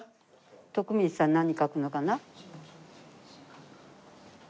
徳光さん何書くのかな？